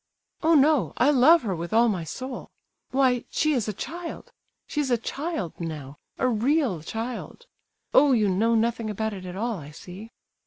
"Oh, no; I love her with all my soul. Why, she is a child! She's a child now—a real child. Oh! you know nothing about it at all, I see."